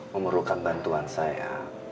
memerlukan bantuan saya